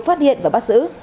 phát hiện và bắt giữ